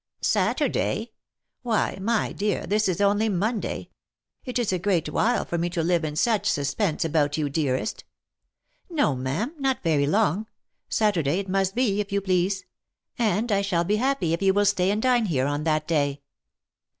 "Saturday? Why, my dear, this is only Monday — it is a great while for me to live in such suspense about you, dearest." " No, ma'am, not very long. Saturday it must be if you please ; and I shall be happy if you will stay and dine here on that day."